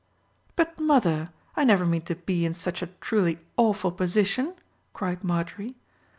"But, mother, I never mean to be in such a truly awful position," cried Marjorie.